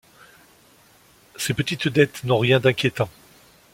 Ces petites dettes n’ont rien d’inquiétant.